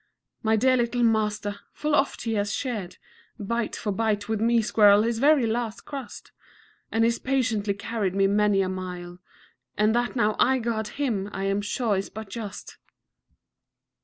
My dear little master! full oft he has shared, Bite for bite, with me, squirrel, his very last crust, And he's patiently carried me many a mile, And that now I guard him I am sure is but just.